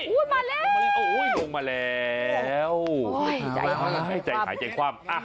อู้ยมาแล้วโอ้ยโยงมาแล้วจ่ายความ